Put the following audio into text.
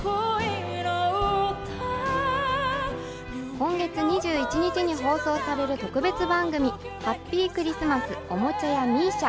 今月２１日に放送される特別番組『ＨＡＰＰＹクリスマスおもちゃ屋ＭＩＳＩＡ』。